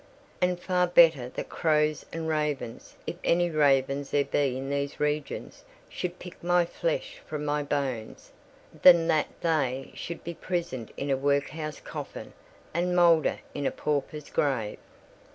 "And far better that crows and ravens—if any ravens there be in these regions—should pick my flesh from my bones, than that they should be prisoned in a workhouse coffin and moulder in a pauper's grave."